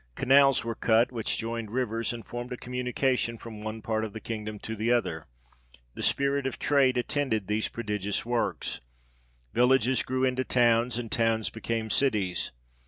Canals were cut, which joined rivers and formed a communication from one part of the kingdom to the other : the spirit of trade attended these prodigious works : villages grew into towns, and towns became cities.